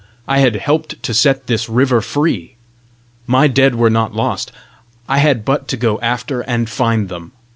I had helped to set this river free! My dead were not lost! I had but to go after and find them!